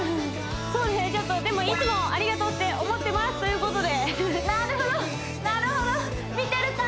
そうねでもいつもありがとうって思ってますということでなるほどなるほど見てるか？